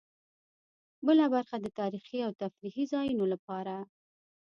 بله برخه د تاريخي او تفريحي ځایونو لپاره.